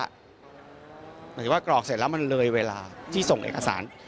หมายถึงว่ากรอกเสร็จแล้วมันเลยเวลาที่ส่งเอกสาร